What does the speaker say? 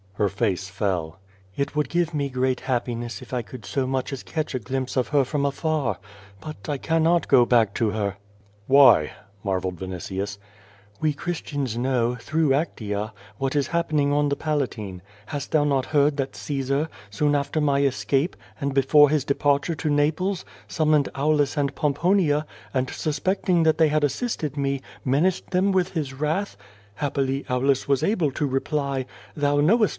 Her face fell. "It would give me great happiness if I could so much as catch a glimpse of her from afar. But I cannot go back to her/' QUO VADI8. 207 ^^hy?" marvelled Vinitiiis. "We Christians know, through Actea, what is happening on the Palatine. Hast thou not heard that Caesar, soon after my escai)e, and before his departure to Naples, summoned Aulus and Poniponia, and suspecting that they had assisted me, menaced them with his wrath? Happily, Aulus was able to reply: 'Thou knowest.